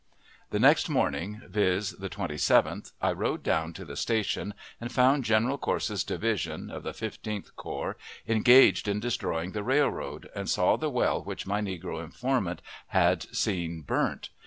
The next morning, viz., the 27th, I rode down to the station, and found General Corse's division (of the Fifteenth Corps) engaged in destroying the railroad, and saw the well which my negro informant had seen "burnt."